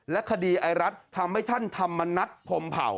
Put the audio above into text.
คดีไอรัฐทำให้ท่านธรรมนัฐพรมเผ่า